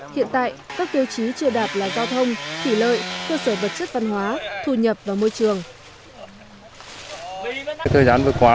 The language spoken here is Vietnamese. hiện tại các tiêu chí chưa đạt là giao thông thủy lợi cơ sở vật chất văn hóa thu nhập và môi trường